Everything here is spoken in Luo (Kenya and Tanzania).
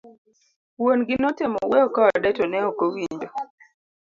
Wuon gi notemo wuoyo kode ,to ne ok owinjo.